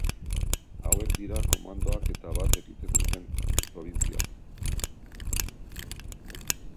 Hauek dira komandoak eta bat egiten duten probintziak.